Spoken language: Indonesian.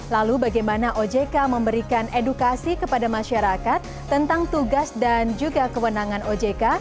lalu bagaimana ojk memberikan edukasi kepada masyarakat tentang tugas dan juga kewenangan ojk